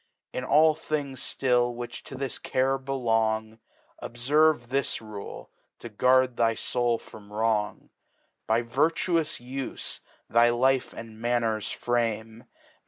1^ all Things flill which to this Care belong, Dbferve this Rule, to guard thy Soul from Wrong. By virtuous Ufc thy Life and Manners frame.